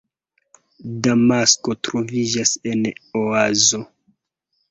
Damasko troviĝas en oazo.